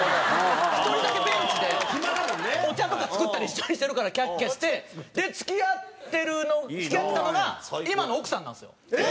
１人だけベンチでお茶とか作ったり一緒にしてるからキャッキャして。で付き合ってる付き合ってたのが今の奥さんなんですよ。